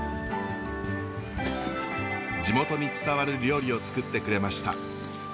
地元に伝わる料理をつくってくれました。